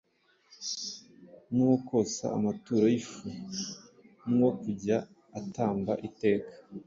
n’uwo kosa amaturo y’ifu, n’uwo kujya atamba iteka